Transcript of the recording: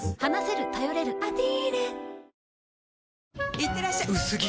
いってらっしゃ薄着！